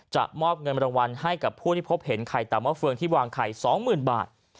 จะมอบเงินมรวมรวมให้กับผู้ที่พบเห็นไข่ต่อเมาะเฟืองที่วางไข่๒๐๐๐๐บาท